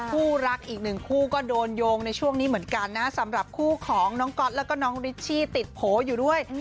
คู่รักอีกหนึ่งคู่ก็โดนโยงในช่วงนี้เหมือนกันนะสำหรับคู่ของน้องก๊อตแล้วก็น้องริชชี่ติดโผล่อยู่ด้วย